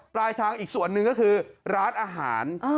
ปลายทางอีกส่วนหนึ่งก็คือร้านอาหาร